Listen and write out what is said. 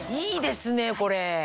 いいですねこれ！